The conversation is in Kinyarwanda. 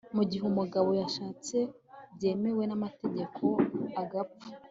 mu gihe umugabo yashatse byemewe n'amategeko agapfa